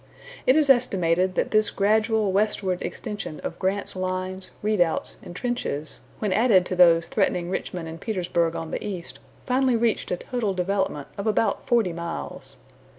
It is estimated that this gradual westward extension of Grant's lines, redoubts, and trenches, when added to those threatening Richmond and Petersburg on the east, finally reached a total development of about forty miles.